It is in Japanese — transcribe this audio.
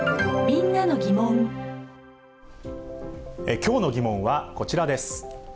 きょうのギモンはこちらです。